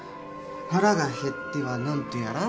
腹が減っては何とやら。